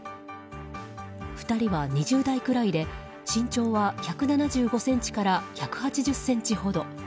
２人は２０代くらいで、身長は１７５ｃｍから１８０ｃｍほど。